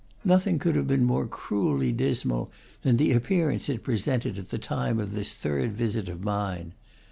Nothing could have been more cruelly dismal than the appearance it presented at the time of this third visit of mine.